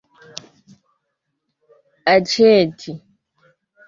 aĉeti